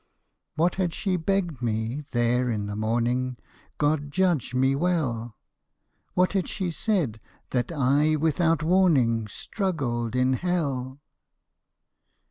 What had she begged me there in the morning, God judge me well ? What had she said, that I without warning Struggled in Hell